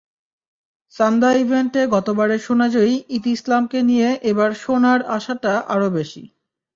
সান্দা ইভেন্টে গতবারের সোনাজয়ী ইতি ইসলামকে ঘিরে এবার সোনার আশাটা আরও বেশি।